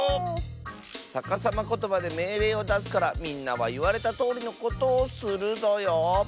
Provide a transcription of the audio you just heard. さかさまことばでめいれいをだすからみんなはいわれたとおりのことをするぞよ！